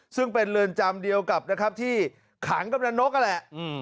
ซึ่งเป็นเรือนจำเดียวกับนะครับที่ขังกำลังนกนั่นแหละ